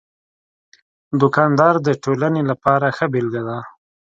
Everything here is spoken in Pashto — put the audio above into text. دوکاندار د ټولنې لپاره ښه بېلګه ده.